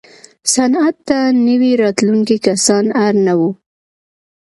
صنعت ته نوي راتلونکي کسان اړ نه وو.